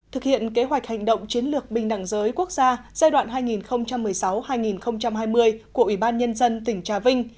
thực hiện kế hoạch hành động chiến lược bình đẳng giới quốc gia giai đoạn hai nghìn một mươi sáu hai nghìn hai mươi của ủy ban nhân dân tỉnh trà vinh